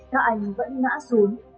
các anh vẫn ngã xuống